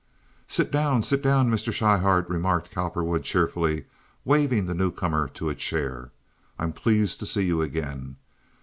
"Sit down, sit down, Mr. Schryhart," remarked Cowperwood, cheerfully, waving the new comer to a chair. "I'm pleased to see you again.